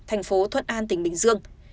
thành phố thuận an tỉnh bình dương